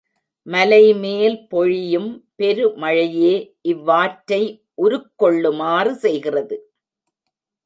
மலைமேல் பொழியும் பெரு மழையே இவ்வாற்றை உருக்கொள்ளுமாறு செய்கிறது.